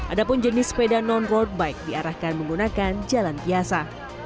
ada pun jenis sepeda non road bike diarahkan menggunakan jalan biasa